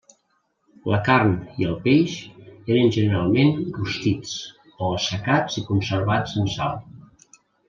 La carn i el peix eren generalment rostits, o assecats i conservats en sal.